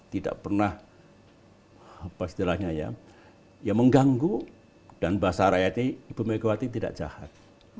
tidak pernah apa istilahnya ya mengganggu dan bahasa rakyatnya ibu megawati tidak jahat